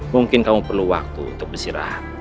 mungkin kamu perlu waktu untuk beristirahat